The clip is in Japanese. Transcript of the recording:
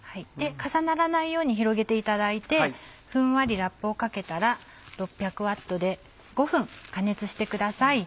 重ならないように広げていただいてふんわりラップをかけたら６００Ｗで５分加熱してください。